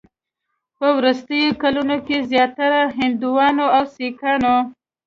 په وروستیو کلونو کې زیاتره هندوانو او سیکانو